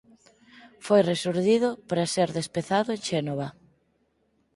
Foi resurdido pra ser despezado en Xénova.